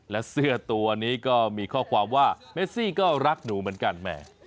และเสื้อตัวนี้ก็มีข้อความว่าเมซี่ก็รักหนูเหมือนกันแหม